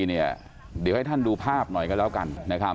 เดี๋ยวให้ท่านดูภาพหน่อยกันแล้วกัน